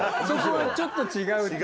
そこちょっと違う。